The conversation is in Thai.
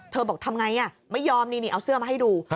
บอกทำไงไม่ยอมนี่เอาเสื้อมาให้ดู